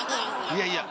いやいや！